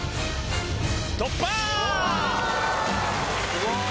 すごい！